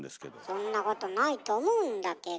そんなことないと思うんだけど。